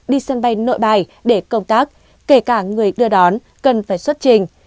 đi sân bay nội bài để công tác kể cả người đưa đón cần phải xuất trình